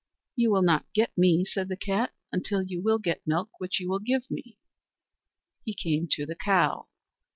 "You will not get me," said the cat, "until you will get milk which you will give me." He came to the cow.